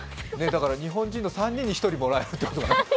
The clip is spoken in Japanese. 日本人の３人に１人、もらえるということですね。